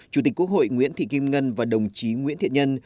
chủ tịch quốc hội nguyễn thị kim ngân và đồng chí nguyễn thiện nhân